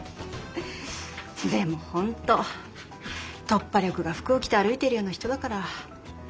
でも本当突破力が服を着て歩いてるような人だからひょっとすると。